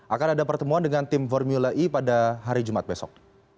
akan ada pertemuan dengan tim formula e pada hari jumat besok